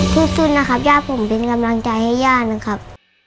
สู้นะครับย่าผมเป็นกำลังใจให้ย่านะครับ